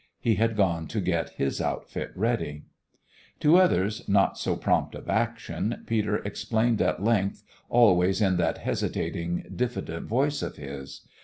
He had gone to get his outfit ready. To others, not so prompt of action, Peter explained at length, always in that hesitating, diffident voice of his.